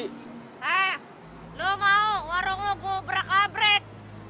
hei lo mau warung lo gue berakabrik